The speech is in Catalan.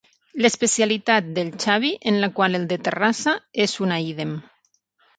L'especialitat del Xavi en la qual el de Terrassa és una ídem.